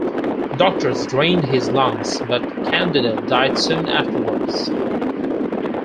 Doctors drained his lungs, but Candido died soon afterwards.